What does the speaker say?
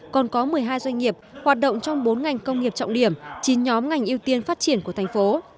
còn có một mươi hai doanh nghiệp hoạt động trong bốn ngành công nghiệp trọng điểm chín nhóm ngành ưu tiên phát triển của thành phố